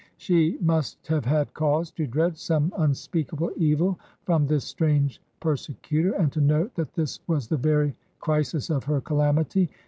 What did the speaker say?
She must have had cause to dread some unspeakable evil from iiuF strange persecutor, and to know that this was the very crisis of her calamity.